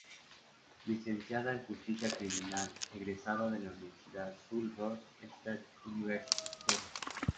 Licenciada en Justicia Criminal egresada de la Universidad Sul Ross State University, Texas.